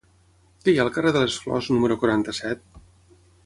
Què hi ha al carrer de les Flors número quaranta-set?